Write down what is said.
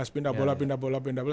pindah bola pindah bola pindah bola